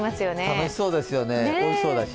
楽しそうですよねおいしそうだし。